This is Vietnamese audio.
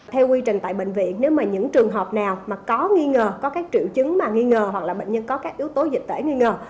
theo quy trình tại bệnh viện nếu những trường hợp nào có triệu chứng nghi ngờ hoặc bệnh nhân có các yếu tố dịch tễ nghi ngờ